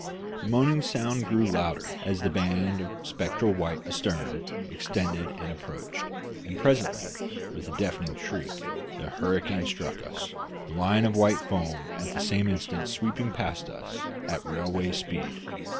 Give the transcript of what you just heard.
The moaning sound grew louder as the band of spectral white astern extended and approached; and presently, with a deafening shriek, the hurricane struck us, the line of white foam at the same instant sweeping past us at railway speed.